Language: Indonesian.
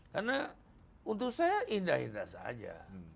karena untuk saya indah indah saja